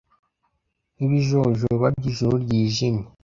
nk'ibijojoba by'ijuru ryijimye.